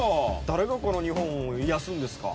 誰がこの日本を癒やすんですか？